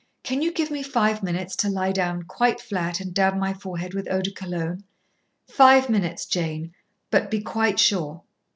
Can you give me five minutes to lie down quite flat and dab my forehead with eau de cologne? Five minutes, Jane. But be quite sure."